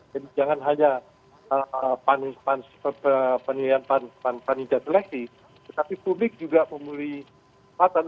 jadi jangan hanya penilaian panitia seleksi tapi publik juga memiliki kesempatan